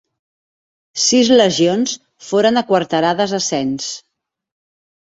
Sis legions foren aquarterades a Sens.